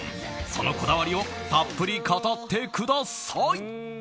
そのこだわりをたっぷり語ってください。